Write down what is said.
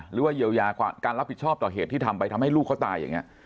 หรือว่าเยียวยาการรับผิดชอบต่อเหตุที่ทำไปทำให้ลูกเขาตายอย่างนี้